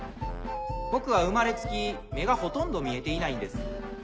僕は生まれつき目がほとんど見えていないんです。